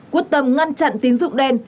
quốc tâm ngăn chặn tín dụng đen